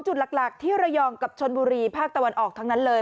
จุดหลักที่ระยองกับชนบุรีภาคตะวันออกทั้งนั้นเลย